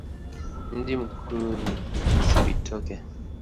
Mji mkuu ni Cibitoke.